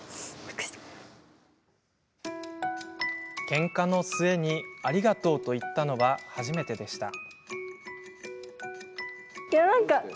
けんかの末に、ありがとうと言ったのは初めてでした。